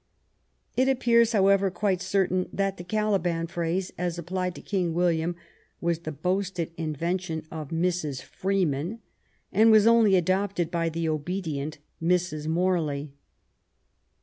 It appears, how ever, quite certain that the Caliban phrase, as applied to King William, was the boasted invention of Mrs. Freeman, and was only adopted by the obedient Mrs. Morley.